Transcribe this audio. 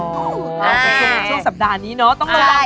อ๋อช่วงสัปดาห์นี้นะต้องระวังตัวนะ